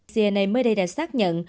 cna mới đây đã xác nhận